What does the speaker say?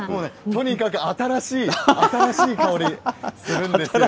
とにかく新しい、新しい香り、するんですよ。